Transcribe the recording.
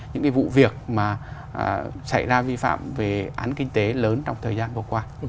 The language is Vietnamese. những cái vụ việc mà xảy ra vi phạm về án kinh tế lớn trong thời gian vừa qua